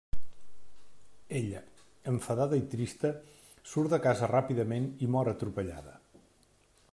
Ella, enfadada i trista, surt de casa ràpidament i mor atropellada.